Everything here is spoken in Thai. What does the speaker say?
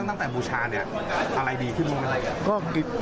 ตั้งแต่บูชาเนี่ยอะไรดีขึ้นมึงเป็นไรกัน